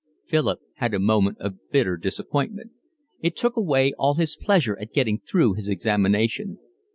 Philip had a moment of bitter disappointment. It took away all his pleasure at getting through his examination.